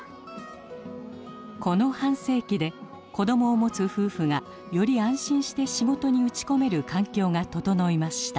この半世紀で子供を持つ夫婦がより安心して仕事に打ち込める環境が整いました。